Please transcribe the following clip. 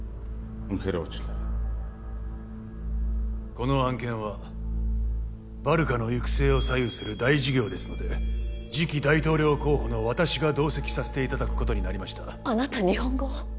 この案件はバルカの行く末を左右する大事業ですので次期大統領候補の私が同席させていただくことになりましたあなた日本語を？